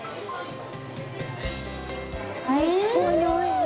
最高に美味しい。